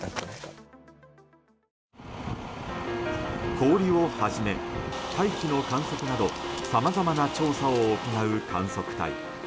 氷をはじめ、大気の観測などさまざまな調査を行う観測隊。